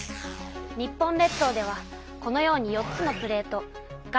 日本列島ではこのように４つのプレート岩